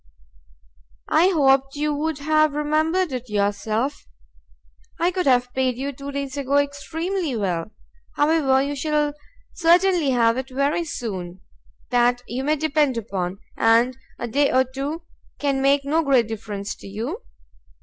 "I hoped you would have remembered it yourself." "I could have paid you two days ago extremely well however, you shall certainly have it very soon, that you may depend upon, and a day or two can make no great difference to you."